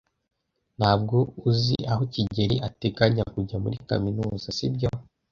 Ntabwo uzi aho kigeli ateganya kujya muri kaminuza, sibyo?